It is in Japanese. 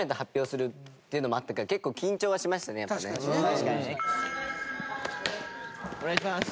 確かにね。お願いします。